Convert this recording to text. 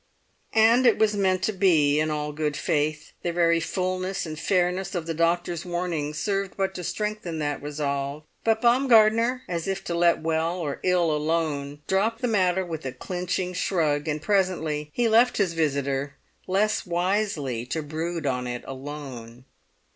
And it was meant to be, in all good faith; the very fulness and fairness of the doctor's warnings served but to strengthen that resolve. But Baumgartner, as if to let well or ill alone, dropped the matter with a clinching shrug; and presently he left his visitor, less wisely, to brood on it alone.